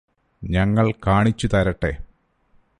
ഞങ്ങള് കാണിച്ചുതരട്ടെ